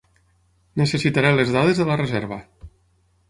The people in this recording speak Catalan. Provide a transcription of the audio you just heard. Necessitaré les dades de la reserva.